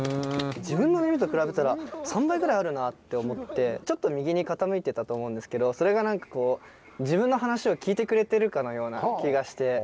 自分の耳と比べたら三倍ぐらいあるなって思ってちょっと右に傾いてたと思うんですけどそれが何か自分の話を聞いてくれてるかのような気がして。